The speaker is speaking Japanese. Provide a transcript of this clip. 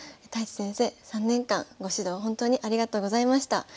太地先生３年間ご指導ほんとにありがとうございました。